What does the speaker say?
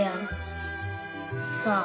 さあ。